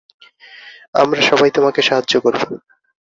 আমরা সবাই তোমাকে সাহায্য করবো।